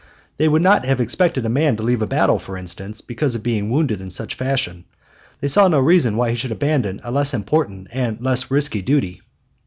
They would not have expected a man to leave a battle, for instance, because of being wounded in such fashion; and they saw no reason why he should abandon a less important and less risky duty.